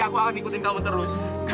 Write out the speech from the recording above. kamu boleh ikutin kita sampai kemana pun